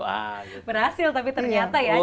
berhasil tapi ternyata ya